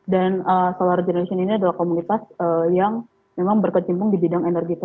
dan solar generation ini adalah komunitas yang memang berkecimpung di bidang energi tersebut